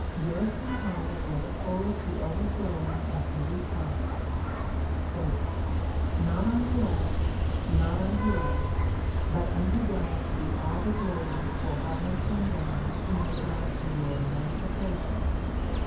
Garrison's heart was full to overflowing as he replied, "Not unto us, not unto us, but unto God be all the glory for what has been done in regard to your emancipation....